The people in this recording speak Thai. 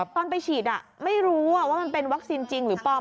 ตอนไปฉีดไม่รู้ว่ามันเป็นวัคซีนจริงหรือปลอม